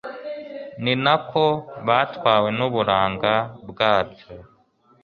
ni na ko batwawe n'uburanga bwabyo